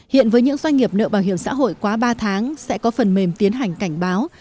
hiện với những doanh nghiệp nợ bảo hiểm xã hội quá ba tháng sẽ có phần mềm tiến hành cảnh báo